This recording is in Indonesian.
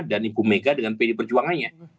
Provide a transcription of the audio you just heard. dan ibu mega dengan pd perjuangannya